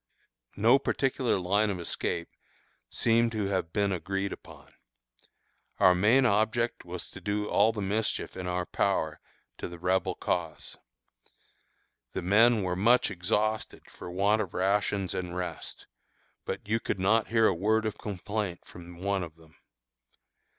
No particular line of escape seemed to have been agreed upon. Our main object was to do all the mischief in our power to the Rebel cause. The men were much exhausted for want of rations and rest, but you could not hear a word of complaint from one of them.